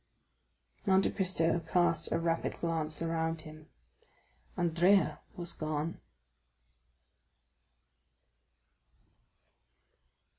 Monte Cristo cast a rapid glance around him. Andrea was gone.